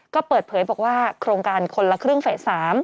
ก็เปิดเผยบอกว่าโครงการคนละครึ่งเฟส๓